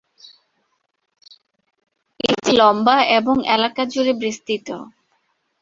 এটি লম্বা এবং এলাকা জুড়ে বিস্তৃত।